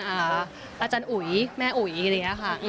อาจารย์อุ๋ยแม่อุ๋ยอะไรอย่างนี้ค่ะ